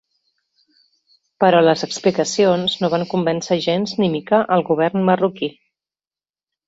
Però les explicacions no van convèncer gens ni mica el govern marroquí.